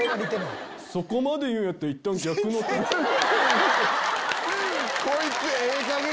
そこまで言うんやったらいったん逆の立場で。